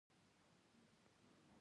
دوی کورونه او جامې ډیزاین کوي.